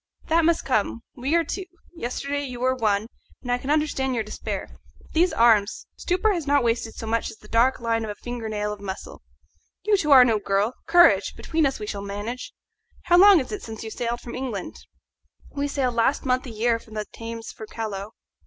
"That must come. We are two. Yesterday you were one, and I can understand your despair. But these arms stupor has not wasted so much as the dark line of a finger nail of muscle. You too are no girl. Courage! between us we shall manage. How long is it since you sailed from England?" "We sailed last month a year from the Thames for Callao."